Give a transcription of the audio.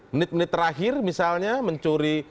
menit menit terakhir misalnya mencuri